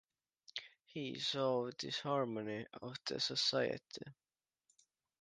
He saw disharmony of the society.